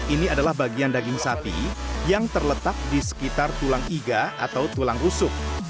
ini adalah bagian daging sapi yang terletak di sekitar tulang iga atau tulang rusuk